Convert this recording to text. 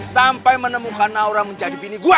sampai menemukan aura menjadi bini gue